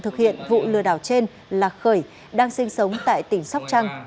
thực hiện vụ lừa đảo trên là khởi đang sinh sống tại tỉnh sóc trăng